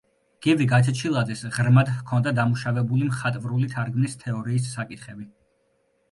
გივი გაჩეჩილაძეს ღრმად ჰქონდა დამუშავებული მხატვრული თარგმნის თეორიის საკითხები.